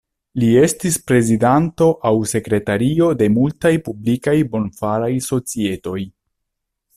Li estis prezidanto aŭ sekretario de multaj publikaj bonfaraj societoj.